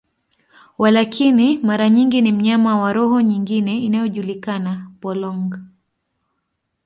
Walakini, mara nyingi ni mnyama wa roho nyingine inayojulikana, polong.